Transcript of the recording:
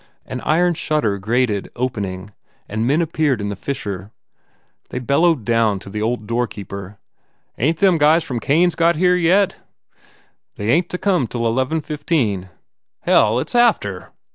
An iron shutter grated, opening, and men appeared in the fissure. They bellowed down to the old doorkeeper, "Ain t them guys from Cain s got here, yet?" "They ain t to come til eleven fifteen." "Hell, it s after!"